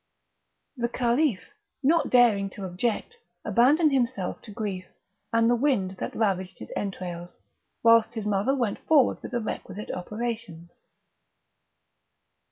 The Caliph, not daring to object, abandoned himself to grief and the wind that ravaged his entrails, whilst his mother went forward with the requisite operations.